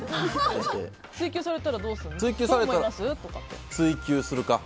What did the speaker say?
追及されたらどうするの？